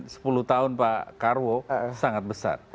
sepuluh tahun pak karwo sangat besar